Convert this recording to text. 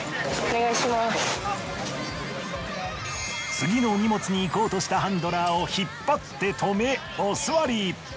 次の荷物に行こうとしたハンドラーを引っ張って止めおすわり。